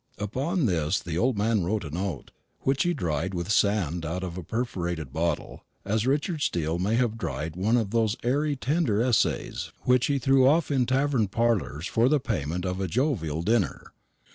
Upon this the old man wrote a note, which he dried with sand out of a perforated bottle, as Richard Steele may have dried one of those airy tender essays which he threw off in tavern parlours for the payment of a jovial dinner.